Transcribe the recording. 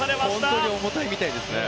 本当に重たいみたいですね。